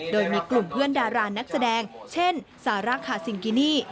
โดยมีกลุ่มเพื่อนดารานักแสดงเช่นซาร่าคาซิงกินี่